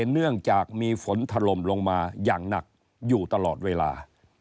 เนื่องจากมีฝนถล่มลงมาอย่างหนักอยู่ตลอดเวลา